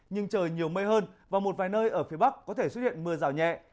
nhưng trời nhiều mây hơn và một vài nơi ở phía bắc có thể xuất hiện mưa rào nhẹ